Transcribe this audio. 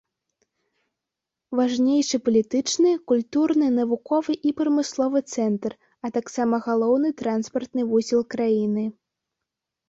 Важнейшы палітычны, культурны, навуковы і прамысловы цэнтр, а таксама галоўны транспартны вузел краіны.